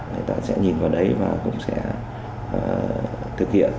người ta sẽ nhìn vào đấy và cũng sẽ thực hiện